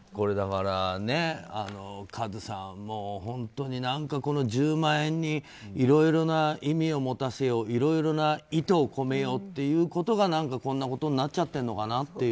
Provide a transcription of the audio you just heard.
和津さん、本当にこの１０万円にいろいろな意味を持たせよういろいろな意図を込めようということがこんなことになっちゃってるのかなっていう。